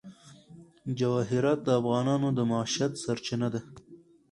جواهرات د افغانانو د معیشت سرچینه ده.